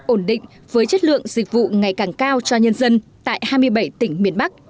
ổn định với chất lượng dịch vụ ngày càng cao cho nhân dân tại hai mươi bảy tỉnh miền bắc